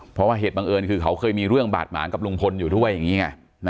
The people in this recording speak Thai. เพราะว่าเหตุบังเอิญคือเขาเคยมีเรื่องบาดหมางกับลุงพลอยู่ด้วยอย่างนี้ไง